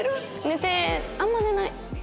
寝てあんま寝ない。